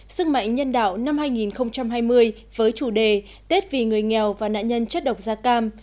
sức mạnh nhân đạo năm hai nghìn hai mươi với chủ đề tết vì người nghèo và nạn nhân chất độc da cam